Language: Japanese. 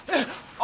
あ。